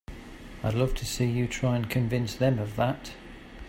I'd love to see you try and convince them of that!